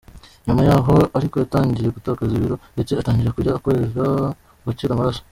Nyuma yaho ariko yatangiye gutakaza ibiro ndetse atangira kujya akorora agacira amaraso.